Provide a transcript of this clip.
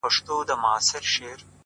خدایه چي د مرگ فتواوي ودروي نور ـ